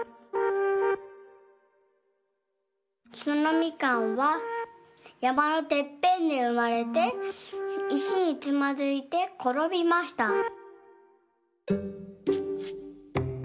そのみかんはやまのてっぺんでうまれていしにつまずいてころびました。